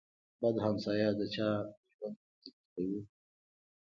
بد همسایه د چا ژوند ور تريخ کوي.